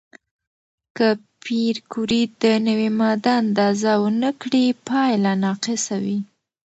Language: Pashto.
که پېیر کوري د نوې ماده اندازه ونه کړي، پایله ناقصه وي.